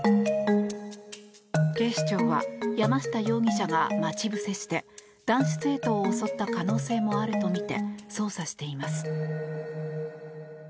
警視庁は山下容疑者が待ち伏せして男子生徒を襲った可能性もあるとみて捜査しています。